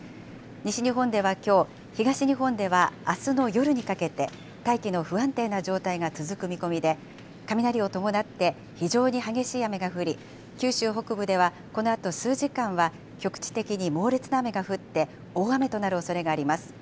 西日本ではきょう、東日本ではあすの夜にかけて、大気の不安定な状態が続く見込みで、雷を伴って、非常に激しい雨が降り、九州北部ではこのあと数時間は、局地的に猛烈な雨が降って、大雨となるおそれがあります。